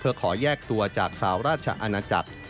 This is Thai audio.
เพื่อขอย่กตัวจากสหราชนาจักร